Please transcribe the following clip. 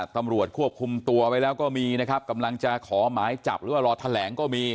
ตำรวจควบคุมตัวไว้แล้วก็มีนะครับกำลังจะขอหมายจับหรือว่ารอแถลงก็มี